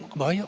ke bawah yuk